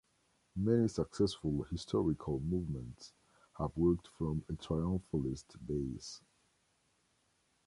Many successful historical movements have worked from a triumphalist base.